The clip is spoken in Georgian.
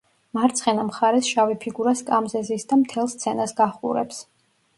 მარცხენა მხარეს შავი ფიგურა სკამზე ზის და მთელ სცენას გაჰყურებს.